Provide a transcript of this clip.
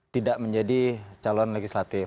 tidak menjadi calon legislatif